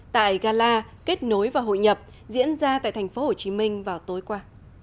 tại gala kết nối và hội nhập diễn ra tại tp hcm vào tối qua